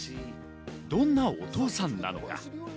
どんなお父さんなのか？